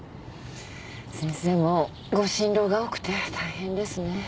先生もご心労が多くて大変ですね。